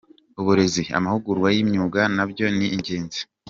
Uburezi, amahugurwa y’imyuga nabyo ni ingenzi.